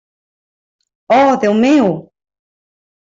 Oh, Déu meu!